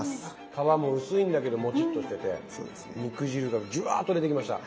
皮も薄いんだけどもちっとしてて肉汁がジュワーッと出てきました。